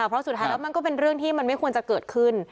เพราะสุดท้ายแล้วมันก็เป็นเรื่องที่มันไม่ควรจะเกิดขึ้น